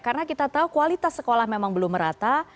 karena kita tahu kualitas sekolah memang belum merata